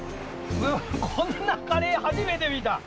こんなカレーはじめて見た！